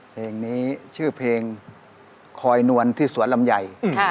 เพลงนี้ชื่อเพลงคอยนวลที่สวนลำไย